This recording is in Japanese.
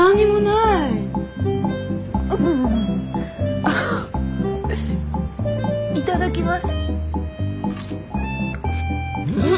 いただきます。